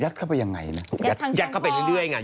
ยัดเข้าไปยังไงนะ